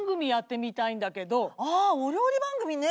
ああお料理番組ね！